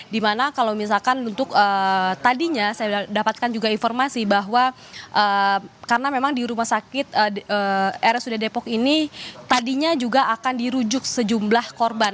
dimana kalau misalkan untuk tadinya saya dapatkan juga informasi bahwa karena memang di rumah sakit rsud depok ini tadinya juga akan dirujuk sejumlah korban